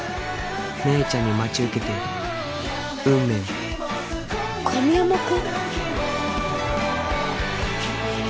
姉ちゃんに待ち受けている運命も神山くん！？